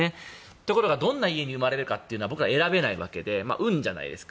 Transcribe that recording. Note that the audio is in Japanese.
ところがどんな家に生まれるかというのは選べないわけで運じゃないですか。